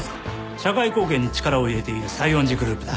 社会貢献に力を入れている西園寺グループだ。